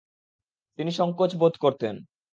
তিনি সংকোচ বোধ করতেন।